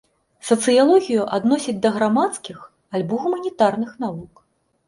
Сацыялогію адносяць да грамадскіх альбо гуманітарных навук.